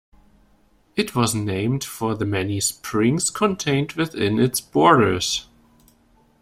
It was named for the many springs contained within its borders.